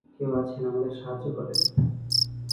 কেউ আছেন আমাদের সাহায্য করেন!